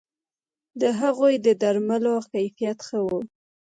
د هغوی د درملو کیفیت ښه وو